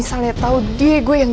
itu banyak bersifat terperap